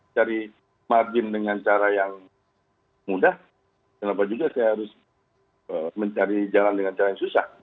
kalau saya bisa mencari margin dengan cara yang mudah kenapa juga saya harus mencari jalan dengan cara yang susah